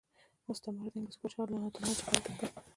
مستعمرو د انګلیس پاچا له ناعادلانه چلند شکایت وکړ.